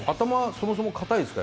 そもそも硬いすか？